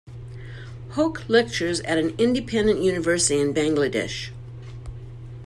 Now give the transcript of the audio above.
Hoque lectures at an independent university in Bangladesh.